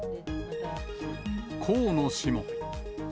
河野氏も。